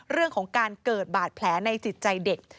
เรื่องของการเกิดบาดแผลในจิตใจเด็ก